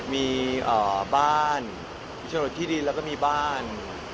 มีบ้านมีชนดที่ดินมีบ้าน